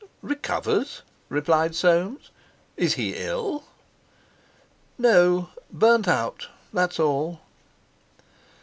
"Recovers?" replied Soames: "Is he ill?" "No; burnt out; that's all."